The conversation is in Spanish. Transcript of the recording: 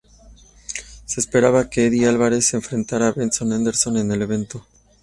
Se esperaba que Eddie Alvarez se enfrentara a Benson Henderson en el evento.